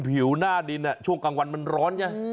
ผิวหน้าดินช่วงกลางวันมันร้อนไง